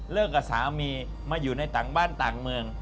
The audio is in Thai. กับสามีมาอยู่ในต่างบ้านต่างเมือง